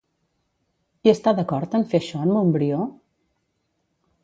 Hi està d'acord en fer això, en Montbrió?